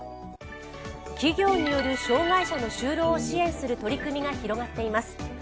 企業による障害者の就労を支援する取り組みが始まっています。